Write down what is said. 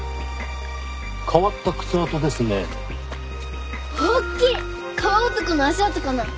変わった靴跡ですね。大きい！